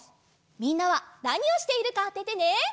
みんなはなにをしているかあててね。